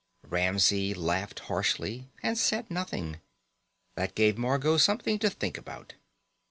Ramsey laughed harshly and said nothing. That gave Margot something to think about.